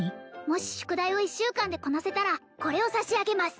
もし宿題を１週間でこなせたらこれを差し上げます